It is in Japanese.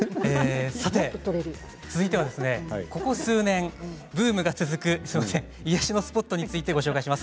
続いてはここ数年ブームが続く癒やしのスポットについてご紹介します。